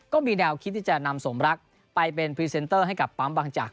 ก็มีแนวคิดที่จะนำสมรักไปเป็นพรีเซนเตอร์ให้กับปั๊มบางจาก